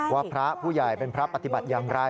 ว่าพระผู้ใหญ่เป็นพระปฏิบัติอย่างไร